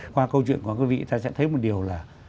qua câu chuyện của quý vị ta sẽ thấy một điều là